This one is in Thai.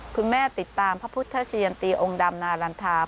คุณแม่ติดตามพระพุทธเศรียรติองค์ดำนารันทา